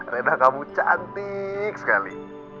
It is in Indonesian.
rena kamu cantik sekali